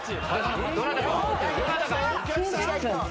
・どなたか。